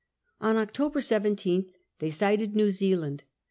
On October 17th they sighted New Zealand.